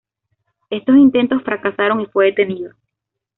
Esos intentos fracasaron y fue detenido.